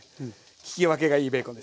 聞き分けがいいベーコンですね